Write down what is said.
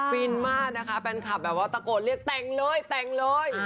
ฟินมากนะคะแฟนคลับแบบว่าตะโกนเรียกแต่งเลยแต่งเลย